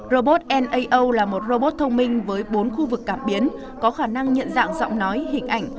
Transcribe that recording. robot neo là một robot thông minh với bốn khu vực cảm biến có khả năng nhận dạng giọng nói hình ảnh